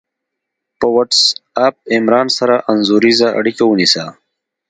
په وټس آپ عمران سره انځوریزه اړیکه ونیسه